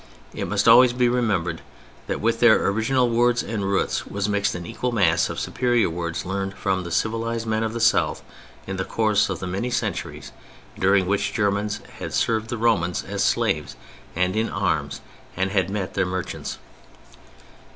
It must always be remembered that with their original words and roots was mixed an equal mass of superior words learned from the civilized men of the South in the course of the many centuries during which Germans had served the Romans as slaves and in arms and had met their merchants.